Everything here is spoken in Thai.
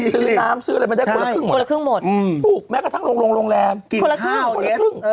ซื้อน้ำซื้ออะไรมันได้คนละครึ่งหมดแม้กระทั่งโรงแรมคนละครึ่ง